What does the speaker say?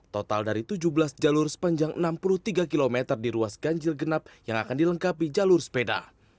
total dari tujuh belas jalur sepanjang enam puluh tiga km di ruas ganjil genap yang akan dilengkapi jalur sepeda